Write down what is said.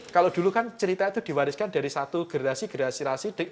kalau dulu kan cerita itu diwariskan dari satu gerasi gerasi